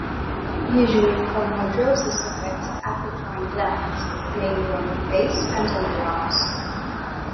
Usually chromhidrosis affects the apocrine glands, mainly on the face and underarms.